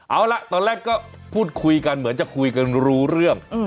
เอาล่ะตอนแรกก็พูดคุยกันเหมือนจะคุยกันรู้เรื่อง